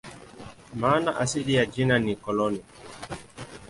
Maana asili ya jina ni "koloni".